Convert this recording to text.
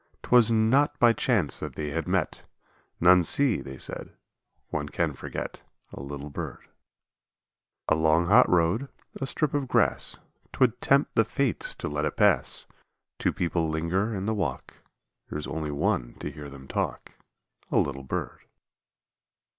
'Twas not by chance that they had met! "None see," they said; one can forget A little Bird. A long hot road, a strip of grass, 'Twould tempt the Fates to let it pass! Two people linger in the walk; There's only one to hear them talk, A little Bird.